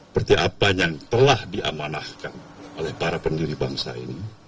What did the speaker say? seperti apa yang telah diamanahkan oleh para pendiri bangsa ini